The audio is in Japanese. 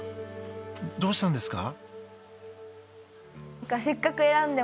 どうしたんですか？